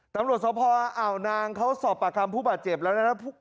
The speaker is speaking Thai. ตำรวจสภาอ่าวนางเขาสอบประคัมผู้ป่าเจ็บแล้วนะครับ